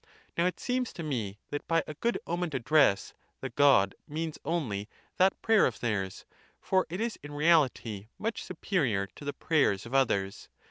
Now it seems to me, that by a good omened address the god means only that prayer of theirs ; for it is in reality much superior to the prayers of others.